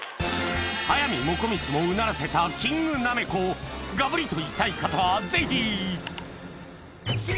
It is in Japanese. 速水もこみちもうならせたキングなめこをがぶりと行きたい方はぜひ！